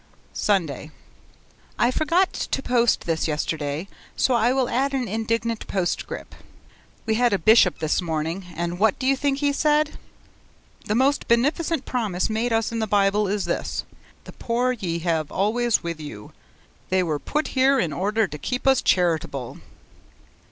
Sunday I forgot to post this yesterday, so I will add an indignant postscript. We had a bishop this morning, and WHAT DO YOU THINK HE SAID? 'The most beneficent promise made us in the Bible is this, "The poor ye have always with you." They were put here in order to keep us charitable.'